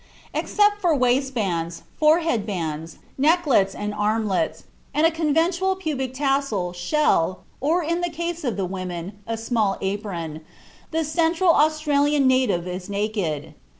"Except for waist bands, forehead bands, necklets, and armlets, and a conventional pubic tassel, shell, or, in the case of the women, a small apron, the Central Australian native is naked.